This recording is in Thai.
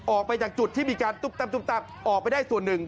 ออกไปจากจุดที่มีการตุ๊บตับตุ๊บตับออกไปได้ส่วนหนึ่ง